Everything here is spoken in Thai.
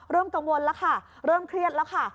กังวลแล้วค่ะเริ่มเครียดแล้วค่ะ